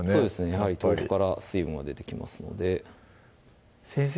やはり豆腐から水分が出てきますので先生